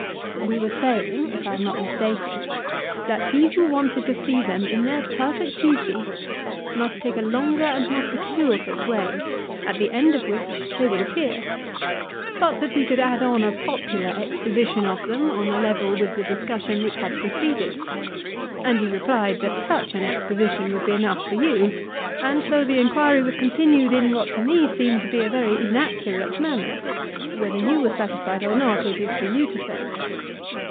We were saying, if I am not mistaken, that he who wanted to see them in their perfect beauty must take a longer and more circuitous way, at the end of which they would appear; but that we could add on a popular exposition of them on a level with the discussion which had preceded. And you replied that such an exposition would be enough for you, and so the enquiry was continued in what to me seemed to be a very inaccurate manner; whether you were satisfied or not, it is for you to say.